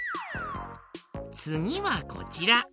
つぎはこちら。